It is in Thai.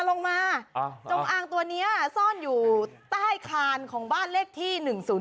ลงมาจงอางตัวนี้ซ่อนอยู่ใต้คานของบ้านเลขที่๑๐๔